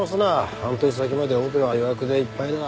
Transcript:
半年先までオペは予約でいっぱいだ。